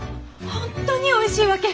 本当においしいわけ！